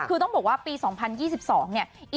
คือต้องบอกว่าปี๒๐๒๒เนี่ย